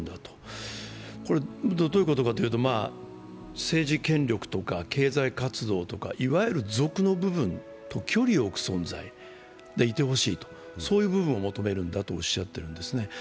それはどういうことかというと政治権力とか経済活動とかいわゆる俗の部分と距離を置く存在でいてほしい、そういう部分を求めるんだとおっしゃっているんですね。